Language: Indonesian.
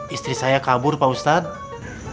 istri saya kabur pak ustadz